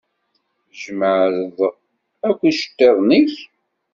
Tjemɛeḍ akk iceṭṭiḍen-ik?